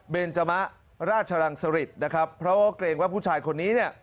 เบนจมะราชรังสริตนะครับเพราะว่าเกรงว่าผู้ชายคนนี้เนี่ย